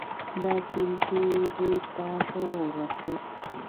دا کلتور دوی ته شعور ورکوي.